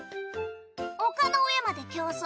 丘の上まで競走？